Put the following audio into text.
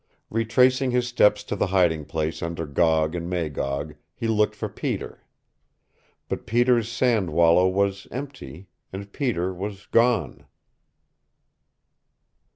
Retracing his steps to the hiding place under Gog and Magog he looked for Peter. But Peter's sand wallow was empty, and Peter was gone.